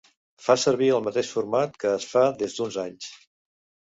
Fa servir el mateix format que es fa des d'uns anys.